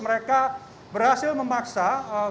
mereka berhasil memaksa